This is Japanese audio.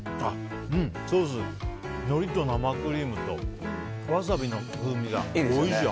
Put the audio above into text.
ソース、のりと生クリームとワサビの風味がおいしい。